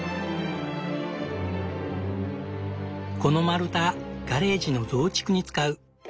この丸太ガレージの増築に使う。